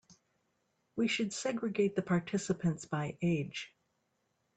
We should segregate the participants by age.